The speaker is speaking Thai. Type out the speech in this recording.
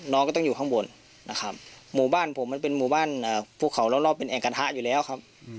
น้องก็ต้องอยู่ข้างบนนะครับหมู่บ้านผมมันเป็นหมู่บ้านภูเขารอบเป็นแอ่งกระทะอยู่แล้วครับ